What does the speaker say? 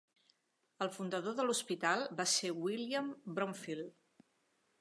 El fundador de l'hospital va ser William Bromfeild.